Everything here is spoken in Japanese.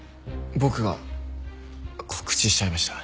僕が告知しちゃいました。